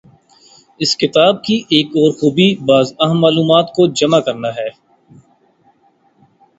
اس کتاب کی ایک اور خوبی بعض اہم معلومات کو جمع کرنا ہے۔